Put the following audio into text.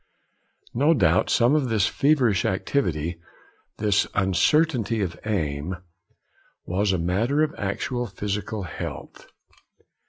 No doubt some of this feverish activity, this uncertainty of aim, was a matter of actual physical health.